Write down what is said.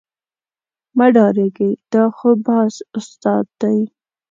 مه ډارېږئ دا خو باز استاد دی.